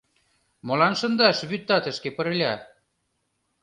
Молан шындаш вӱд атышке пырля?